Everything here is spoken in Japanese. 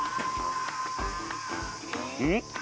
うん？